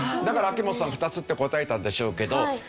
だから秋元さん２つって答えたんでしょうけど。